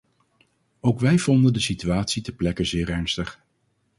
Ook wij vonden de situatie ter plekke zeer ernstig.